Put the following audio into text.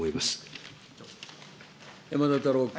山田太郎君。